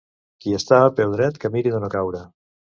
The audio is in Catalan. Qui està peu dret, que miri de no caure.